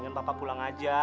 ini kan bapak pulang aja